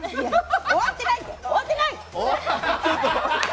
終わってない終わってないっ！